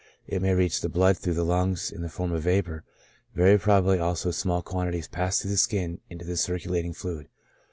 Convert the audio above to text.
It may reach the blood through the lungs in the form of vapor ; very probably, also, small quantities pass through the skin into the circulating fluid.